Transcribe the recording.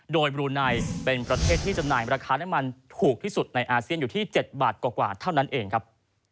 โดยบรูไนเป็นประเทศที่จำหน่ายราคาน้ำมันถูกที่สุดในอาเซียนอยู่ที่๗บาทกว่าเท่านั้นเองครับ